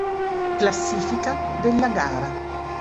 Classifica della gara